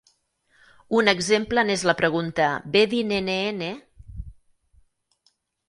Un exemple n'és la pregunta "Be 'di nene ene?"